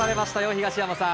東山さん。